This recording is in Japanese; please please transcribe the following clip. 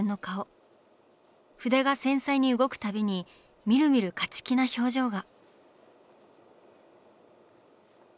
筆が繊細に動くたびにみるみる勝ち気な表情が。